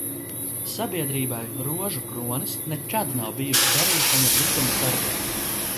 Sabiedrībai "Rožu kronis" nekad nav bijusi darīšana ar likuma sargiem.